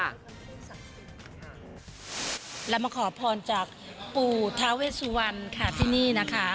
เรามาขอพรจากปู่ทาเวสุวรรณค่ะที่นี่นะคะ